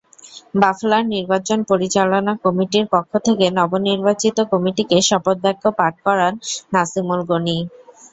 বাফলার নির্বাচন পরিচালনা কমিটির পক্ষ থেকে নবনির্বাচিত কমিটিকে শপথবাক্য পাঠ করান নাসিমুল গণি।